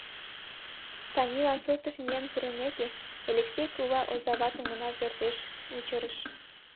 Танилан суртыш миен пурымеке, Элексей кува оза ватым гына пӧртеш учырыш.